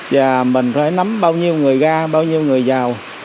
và mình phải nắm bao nhiêu người ra bao nhiêu người vào